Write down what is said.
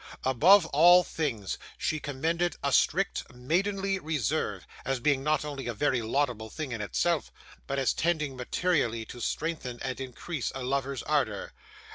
Above all things she commended a strict maidenly reserve, as being not only a very laudable thing in itself, but as tending materially to strengthen and increase a lover's ardour.